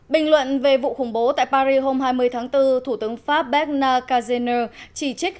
bình luận về vụ khủng bố tại paris hôm hai mươi tháng bốn thủ tướng pháp berna kazene chỉ trích